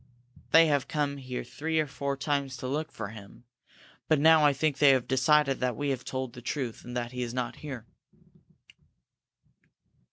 They have come here three or four times to look for him, but now I think they have decided that we have told the truth, and that he is not here."